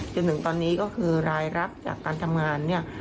จนถึงตอนนี้ก็คือรายรับจากการทำงานเนี่ย